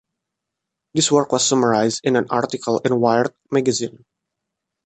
This work was summarized in an article in "Wired" magazine.